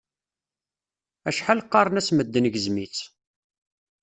Acḥal qqaren-as medden gzem-itt.